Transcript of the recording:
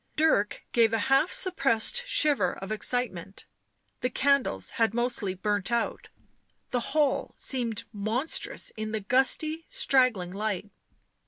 Dirk gave a half suppressed shiver of excitement ; the candles had mostly burnt out ; the hall seemed monstrous in the gusty, straggling light.